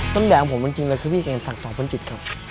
ต้นแบบของผมจริงเลยคือพี่เก่งสั่งสอบเพื่อนจิตครับ